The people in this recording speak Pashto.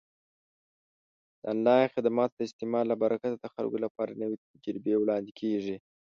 د آنلاین خدماتو د استعمال له برکته د خلکو لپاره نوې تجربې وړاندې کیږي.